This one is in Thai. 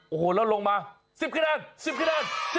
โอ้โหแล้วลงมา๑๐คะแดน๑๐คะแดน๑๐คะแดน